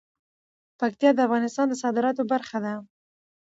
پکتیا د افغانستان د صادراتو برخه ده.